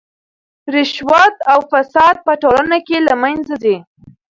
رشوت او فساد په ټولنه کې له منځه ځي.